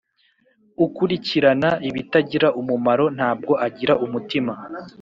ukurikirana ibitagira umumaro ntabwo agira umutima